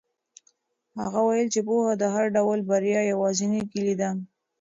هغه وویل چې پوهه د هر ډول بریا یوازینۍ کیلي ده.